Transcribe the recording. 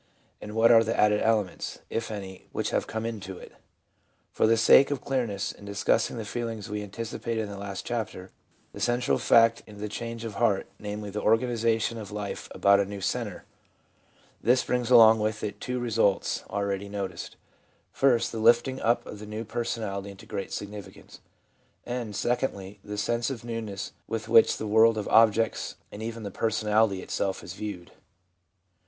And what are the added elements, if any, which have come into it ? For the sake of clearness in discussing the feelings, we anticipated in the last chapter the central fact in the change of heart, namely, the organisation of life about a new centre. This brings along with it two results already noticed ; first, the lifting up of the new personality into great significance ; and, secondly, the sense of newness with which the world of objects and even the personality itself is viewed.